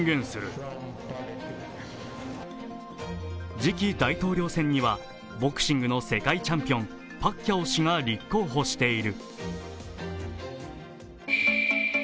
次期大統領選にはボクシングの世界チャンピオンパッキャオ氏が立候補している。